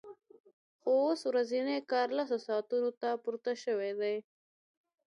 خو اوس ورځنی کار لسو ساعتونو ته پورته شوی دی